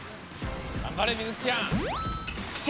がんばれみずきちゃん。